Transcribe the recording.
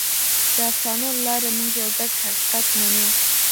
د افسانو له لارې موږ یو ګډ حقیقت منو.